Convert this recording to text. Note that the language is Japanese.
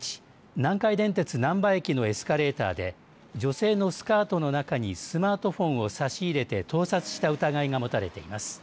南海電鉄なんば駅のエスカレーターで女性のスカートの中にスマートフォンを差し入れて盗撮した疑いが持たれています。